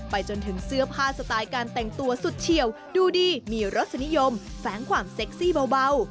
จนถึงเสื้อผ้าสไตล์การแต่งตัวสุดเฉียวดูดีมีรสนิยมแฟ้งความเซ็กซี่เบา